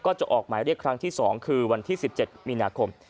จะออกหมายเรียกครั้งที่๒คือวันที่๑๗มีนาคม